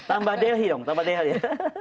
tambah dlh dong tambah dl ya